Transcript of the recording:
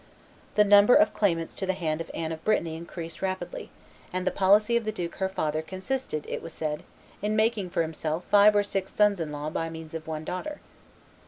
The number of claimants to the hand of Anne of Brittany increased rapidly; and the policy of the duke her father consisted, it was said, in making for himself five or six sons in law by means of one daughter.